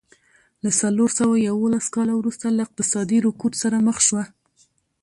له څلور سوه یوولس کاله وروسته له اقتصادي رکود سره مخ شوه.